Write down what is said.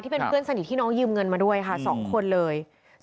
เป็นเพื่อนสนิทที่น้องยืมเงินมาด้วยค่ะ๒คนเลย